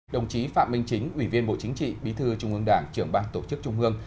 đồng chí phạm minh chính ủy viên bộ chính trị bí thư trung ương đảng trưởng ban tổ chức trung ương